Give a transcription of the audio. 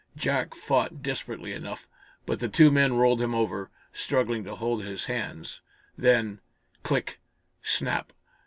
Jack fought desperately enough, but the two men rolled him over, struggling to hold his hands. Then Click! Snap!